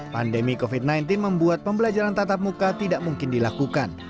pandemi covid sembilan belas membuat pembelajaran tatap muka tidak mungkin dilakukan